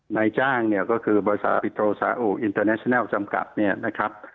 ในจ้างก็คือบริษัทปิโตรสาอุอินเตอร์เนชั่นัลจำกัด